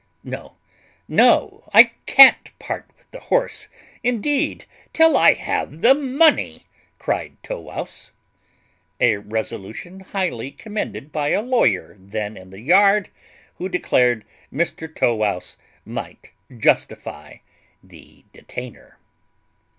"No, no, I can't part with the horse, indeed, till I have the money," cried Tow wouse. A resolution highly commended by a lawyer then in the yard, who declared Mr Tow wouse might justify the detainer.